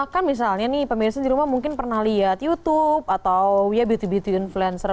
kan misalnya nih pemirsa di rumah mungkin pernah lihat youtube atau ya beauty beauty influencer